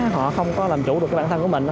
họ không có làm chủ được cái bản thân của mình